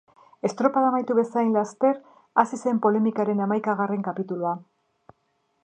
Estropada amaitu bezain laister hasi zen polemikaren hamaikagarren kapitulua.